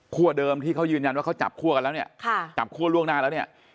เดิมที่เขายืนยันว่าเขาจับคั่วกันแล้วเนี่ยจับคั่วล่วงหน้าแล้วเนี่ย